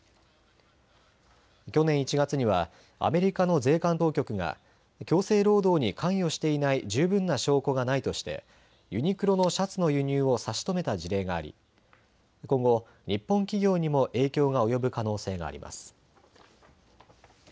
去年１月にはアメリカの税関当局が強制労働に関与していない十分な証拠がないとしてユニクロのシャツの輸入を差し止めた事例があり今後、日本企業にも影響が及ぶ可能性があります。